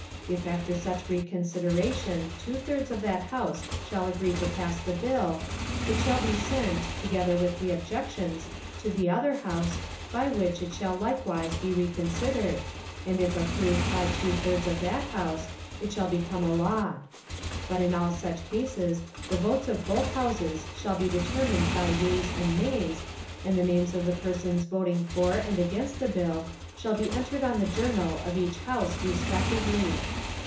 If after such Reconsideration two thirds of that House shall agree to pass the Bill, it shall be sent, together with the Objections, to the other House, by which it shall likewise be reconsidered, and if approved by two thirds of that House, it shall become a Law. But in all such Cases the Votes of Both Houses shall be determined by Yeas and Nays, and the Names of the Persons voting for and against the Bill shall be entered on the Journal of each House respectively.